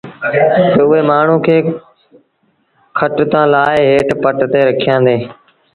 تا اُئي مآڻهوٚٚݩ کي کٽ تآݩ لآهي هيٺ پٽ تي رکين دآ